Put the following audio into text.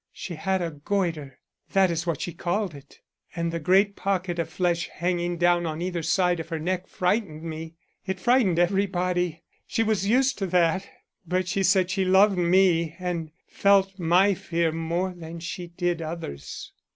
"She had a goitre; that is what she called it, and the great pocket of flesh hanging down on either side of her neck frightened me. It frightened everybody; she was used to that, but she said she loved me and felt my fear more than she did others.